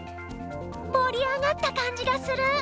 盛り上がった感じがする！